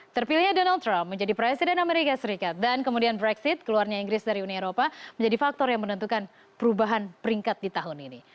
terpilihnya donald trump menjadi presiden amerika serikat dan kemudian brexit keluarnya inggris dari uni eropa menjadi faktor yang menentukan perubahan peringkat di tahun ini